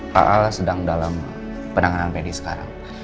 pak al sedang dalam penanganan pedis sekarang